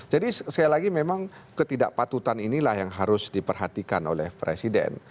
jadi sekali lagi memang ketidakpatutan inilah yang harus diperhatikan oleh presiden